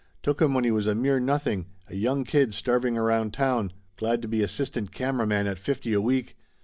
Took him when he was a mere nothing, a young kid starving around town, glad to be assistant camera man at fifty a week